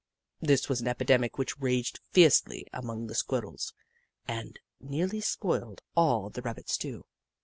This was an epidemic which raged fiercely among the Squirrels and nearly spoiled all the Rabbit stew.